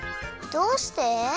どうして？